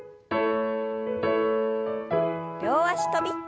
両脚跳び。